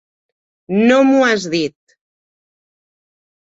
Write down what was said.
No m'ho has dit.